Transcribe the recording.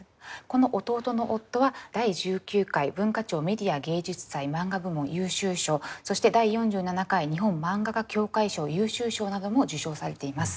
この「弟の夫」は第１９回文化庁メディア芸術祭マンガ部門優秀賞そして第４７回日本漫画家協会賞優秀賞なども受賞されています。